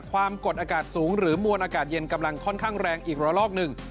ความกดอากาศสูงหรือมวลอากาศเย็นกำลังค่อนข้างแรงอีกระลอกหนึ่ง